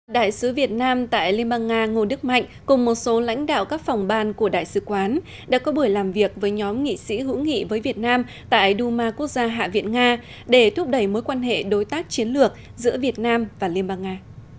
đại sứ việt nam tại liên bang nga ngô đức mạnh cùng một số lãnh đạo các phòng ban của đại sứ quán đã có buổi làm việc với nhóm nghị sĩ hữu nghị với việt nam tại duma quốc gia hạ viện nga để thúc đẩy mối quan hệ đối tác chiến lược giữa việt nam và liên bang nga